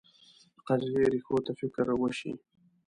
د قضیې ریښو ته فکر وشي.